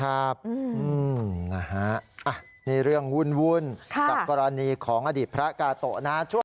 อันนี้เรื่องวุ่นกับกรณีของอดีตพระกาโตนะ